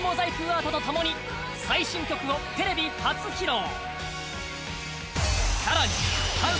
アートと共に最新曲をテレビ初披露！